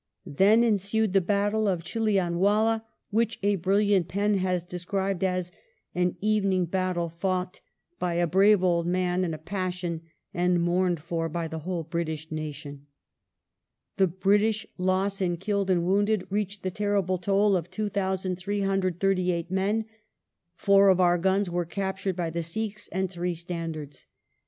Then ensued the battle of Chilianwdla which a brilliant pen has described as "an evening battle fought by a brave old man in a passion and mourned for by the whole British nation".^ The British loss in killed and wounded reached the tenible total of 2,338 men ; four of our guns were captured by the Sikhs and three standards.